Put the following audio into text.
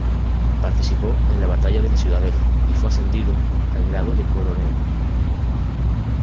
Participó en la batalla de La Ciudadela y fue ascendido al grado de coronel.